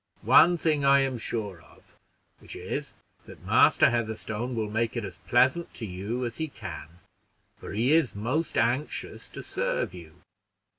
One thing I am sure of, which is, that Master Heatherstone will make it as pleasant to you as he can, for he is most anxious to serve you."